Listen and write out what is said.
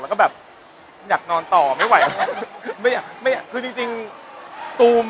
คือหมตัวหมายถึงปุ่ม